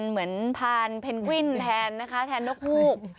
เหมือนพานเพนกวินแทนนกมูก